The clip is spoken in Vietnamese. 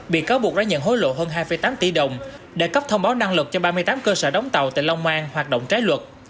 bị cáo buộc đã nhận hối lộ hơn hai tám tỷ đồng để cấp thông báo năng lực cho ba mươi tám cơ sở đóng tàu tại long an hoạt động trái luật